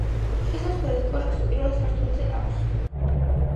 შესასვლელი კოშკს პირველ სართულზე აქვს.